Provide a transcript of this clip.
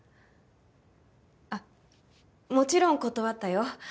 あっもちろん断ったよ。